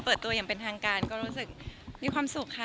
เปิดตัวอย่างเป็นทางการก็รู้สึกมีความสุขค่ะ